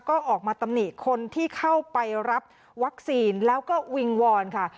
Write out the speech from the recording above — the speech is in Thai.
ก็ออกมาตำหนิคนที่เข้าไปรับวัคซีนแล้วก็วิงวอนค่ะ